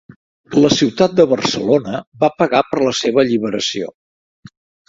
La ciutat de Barcelona va pagar per la seva alliberació.